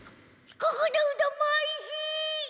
ここのうどんもおいしい！